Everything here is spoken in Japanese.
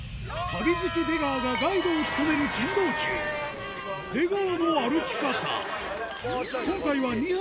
旅好き出川がガイドを務める珍道中、出川の歩き方。